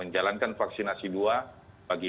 jalankan vaksinasi dua bagi